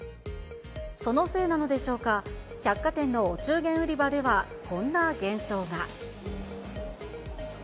そのせいなのでしょうか、百貨店のお中元売り場ではこんな現象が。